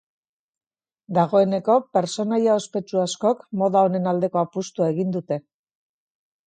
Dagoeneko pertsonaia ospetsu askok moda honen aldeko apustua egin dute.